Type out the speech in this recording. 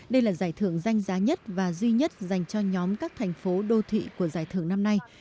đây là giải thưởng danh giá nhất và duy nhất dành cho nhóm các thành phố đô thị của giải thưởng năm nay